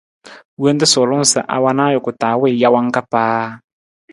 Wonta suulung sa a wan ajuku taa wii jawang ka paa.